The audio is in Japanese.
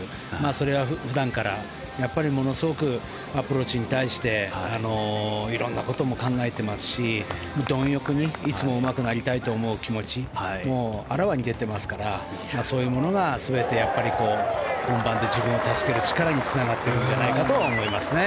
それは普段からやっぱりものすごくアプローチに対して色んなことも考えていますし貪欲にいつもうまくなりたいと思う気持ちもあらわに出ていますからそういうものが全て本番で自分を助ける力につながっているんじゃないかとは思いますね。